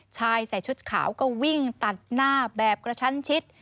ชายใส่ชุดขาวก็วิ่งตัดหน้าแบบกระชั้นชิด